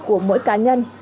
của mỗi cá nhân